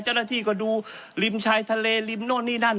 เจ้าหน้าที่ก็ดูริมชายทะเลริมโน่นนี่นั่น